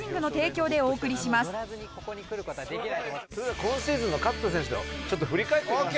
それでは今シーズンの勝田選手をちょっと振り返ってみましょう。